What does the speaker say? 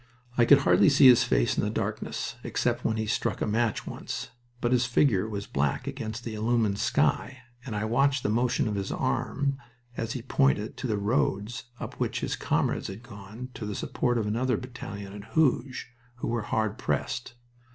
I could hardly see his face in the darkness, except when he struck a match once, but his figure was black against the illumined sky, and I watched the motion of his arm as he pointed to the roads up which his comrades had gone to the support of another battalion at Hooge, who were hard pressed.